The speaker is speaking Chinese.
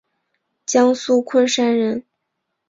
江苏昆山人。